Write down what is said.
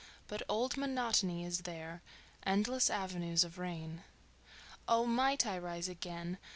But old monotony is there: Endless avenues of rain. Oh, might I rise again!